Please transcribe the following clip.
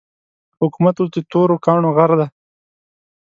حکومت اوس د تورو کاڼو غر دی.